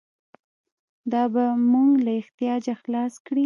دا به موږ له احتیاجه خلاص کړي.